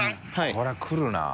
これは来るなぁ。